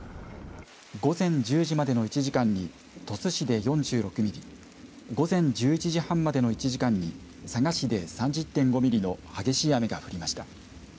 午前１０時までの１時間に鳥栖市で４６ミリ午前１１時半までの１時間に佐賀市で３０．５ミリの激しい雨が降りました。